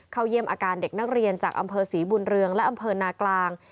เยี่ยมอาการเด็กนักเรียนจากอำเภอศรีบุญเรืองและอำเภอนากลาง